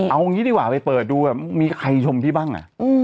เอางี้ดีกว่าไปเปิดดูมีใครชมพี่บ้าง